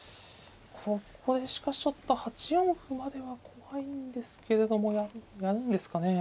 ここでしかしちょっと８四歩までは怖いんですけれどもやるんですかね。